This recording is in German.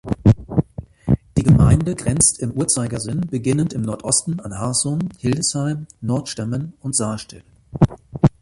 Die Gemeinde grenzt im Uhrzeigersinn, beginnend im Nordosten an Harsum, Hildesheim, Nordstemmen und Sarstedt.